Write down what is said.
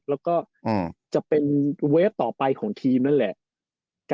แล้วก็จะเป็นเวฟต่อไปของทีมนั่นแหละ